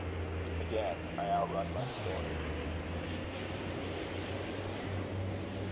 Again I outrun my story.